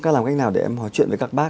cách nào để em hỏi chuyện với các bác